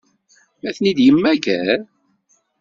Ad ten-id-yemmager?